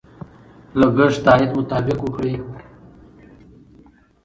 لګښت د عاید مطابق وکړئ.